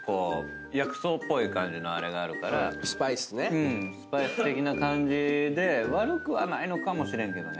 あれがあるからスパイス的な感じで悪くはないのかもしれへんけどね。